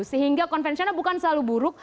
sehingga konvensional bukan selalu buruk